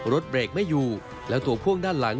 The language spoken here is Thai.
รถเบรกไม่อยู่แล้วตัวพ่วงด้านหลัง